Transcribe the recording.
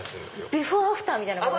ビフォー・アフターみたいな感じ。